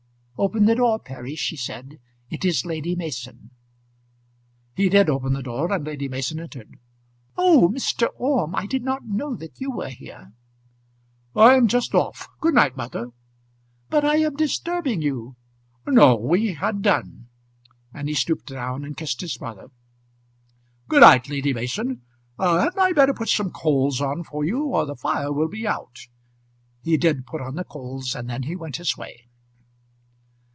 "Open the door, Perry," she said; "it is Lady Mason." He did open the door, and Lady Mason entered. "Oh, Mr. Orme, I did not know that you were here." "I am just off. Good night, mother." "But I am disturbing you." "No, we had done;" and he stooped down and kissed his mother. "Good night, Lady Mason. Hadn't I better put some coals on for you, or the fire will be out?" He did put on the coals, and then he went his way.